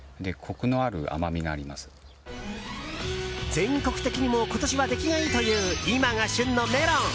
全国的にも、今年は出来がいいという今が旬のメロン。